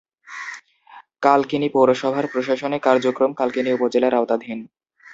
কালকিনি পৌরসভার প্রশাসনিক কার্যক্রম কালকিনি উপজেলার আওতাধীন।